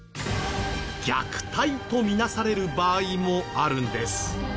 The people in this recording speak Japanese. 虐待とみなされる場合もあるんです。